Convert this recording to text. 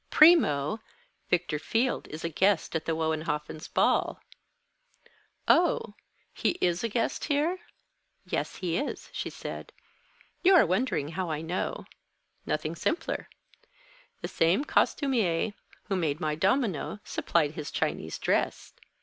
Primo, Victor Field is a guest at the Wohenhoffens' ball." "Oh, he is a guest here?" "Yes, he is," she said. "You are wondering how I know. Nothing simpler. The same costumier who made my domino, supplied his Chinese dress.